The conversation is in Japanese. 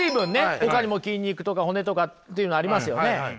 ほかにも筋肉とか骨とかっていうのありますよねはい。